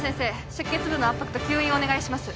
出血部の圧迫と吸引お願いします